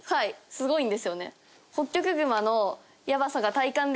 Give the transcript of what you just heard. すごいんですよね。